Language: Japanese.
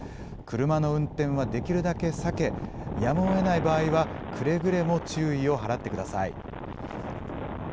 車の運転はできるだけ避け、やむをえない場合は、くれぐれも注意を払ってください。